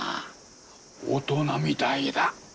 大人みたいだ。